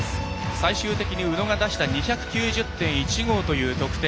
最終的に宇野が出した２９０．１５という得点。